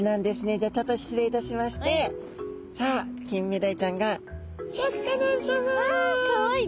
じゃあちょっと失礼いたしましてさあキンメダイちゃんがわかわいい。